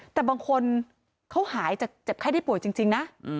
แต่บางคนเขาหายจากเจ็บไข้ได้ป่วยจริงนะ